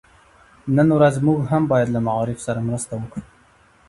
نن ورځ موږ هم بايد له معارف سره مرسته وکړو.